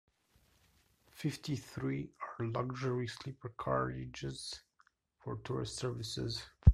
Fifty-three are luxury sleeper carriages for tourist services.